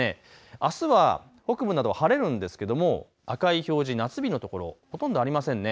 あすは北部など晴れるんですけれども赤い表示、夏日の所ほとんどありません。